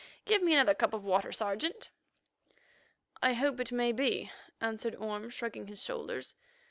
Give me another cup of water, Sergeant." "I hope it may be," answered Orme, shrugging his shoulders.